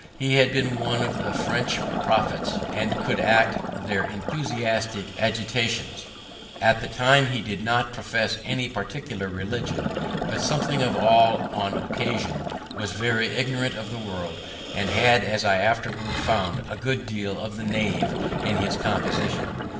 He had been one of the French prophets, and could act their enthusiastic agitations. At this time he did not profess any particular religion, but something of all on occasion; was very ignorant of the world, and had, as I afterward found, a good deal of the knave in his composition.